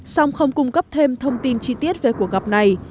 song không cung cấp thêm thông tin chi tiết về cuộc gặp này